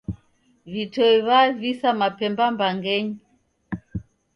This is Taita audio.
Vitoi w'avisa mapemba mbangenyi